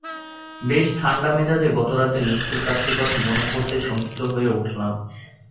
বেশ ঠাণ্ডা মেজাজে গতরাতের নিষ্ঠুর কাজটির কথা মনে পড়তেই শঙ্কিত হয়ে উঠলাম।